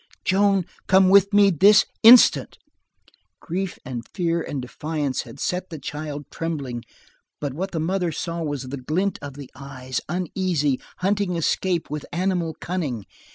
"Joan, come to me this instant." Grief and fear and defiance had set the child trembling, but what the mother saw was the glint of the eyes, uneasy, hunting escape with animal cunning.